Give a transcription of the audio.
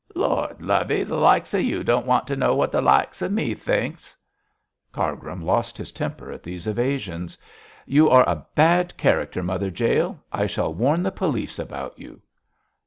'Lord, lovey! the likes of you don't want to know what the likes of me thinks.' Cargrim lost his temper at these evasions. 'You are a bad character, Mother Jael. I shall warn the police about you.'